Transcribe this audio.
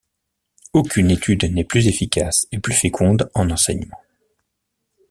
Aucune étude n’est plus efficace et plus féconde en enseignements.